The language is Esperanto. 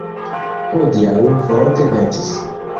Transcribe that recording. Hodiaŭ forte ventis.